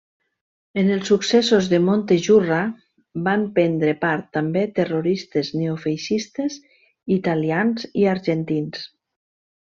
En els successos de Montejurra van prendre part també terroristes neofeixistes italians i argentins.